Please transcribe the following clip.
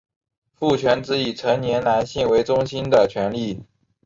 父权指以成年男性为中心的权力。